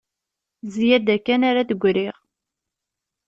D zzyada kan ara d-griɣ